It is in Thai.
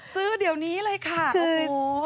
ซื้อเดี๋ยวนี้เลยค่ะ